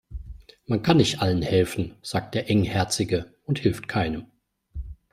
Man kann nicht allen helfen, sagt der Engherzige und hilft keinem.